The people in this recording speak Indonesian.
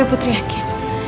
tapi putri yakin